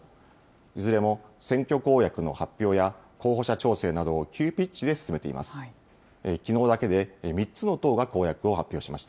いずれも選挙公約の発表や候補者調整などを急ピッチで進めています。